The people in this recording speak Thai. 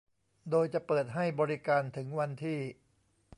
โดยจะเปิดให้บริการถึงวันที่